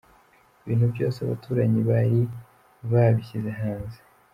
Ibintu byose abaturanyi bari babishyize hanze.